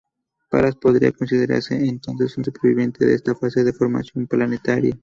Palas podría considerarse entonces un superviviente de esta fase de formación planetaria.